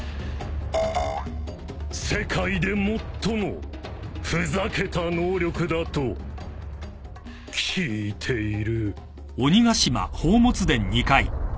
世界で最もふざけた能力だと聞いている。